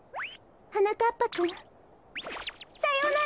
はなかっぱくんさようなら！